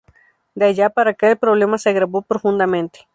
De allá para acá el problema se agravó profundamente.